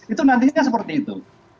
itu nantinya seperti itu